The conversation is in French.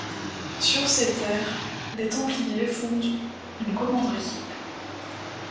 Sur ces terres, les Templiers fondent une commanderie.